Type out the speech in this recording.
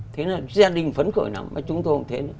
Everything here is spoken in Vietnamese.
thế là gia đình phấn khởi lắm mà chúng tôi cũng thế